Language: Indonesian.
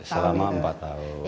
iya selama empat tahun